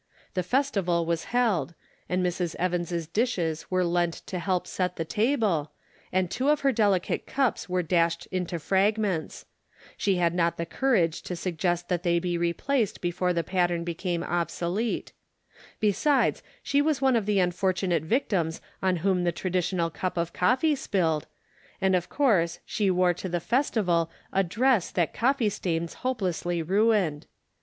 The festival was held, and Mrs. Evans' dishes were lent to help set the table, and two of her delicate cups were dashed into fragments ; she had not the courage to suggest that they be replaced before the pattern became obsolete ; besides she was one of the unfortunate victims on whom the traditional cup of coffee spilled, and of course she wore to the festival a dress that coffee stains hopelessly ruined.